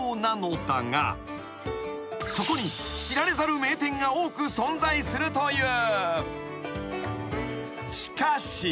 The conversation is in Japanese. ［そこに知られざる名店が多く存在するという］